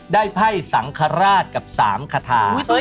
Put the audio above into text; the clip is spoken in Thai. ได้ไพ่สังฆราชกับสามคทา